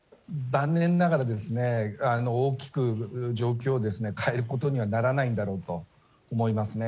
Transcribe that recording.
残念ながら大きく状況を変えることにはならないんだろうと思いますね。